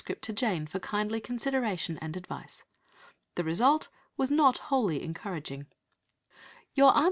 to Jane for kindly consideration and advice. The result was not wholly encouraging "Your Aunt C.